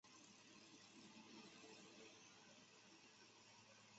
欧曼兄弟乐团始建于美国乔治亚州梅肯的摇滚乐和蓝调乐团。